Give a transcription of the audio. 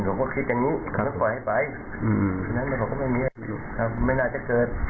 ผมก็คิดอย่างนี้แล้วก็ปล่อยให้ไป